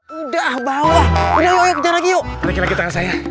udah bawah yuk kita lagi yuk kita saya